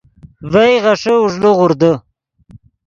ڤئے غیݰے اوݱڑے غوردے